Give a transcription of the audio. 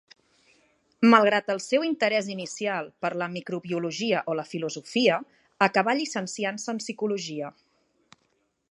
Malgrat el seu interès inicial per la Microbiologia o la Filosofia, acabà llicenciant-se en Psicologia.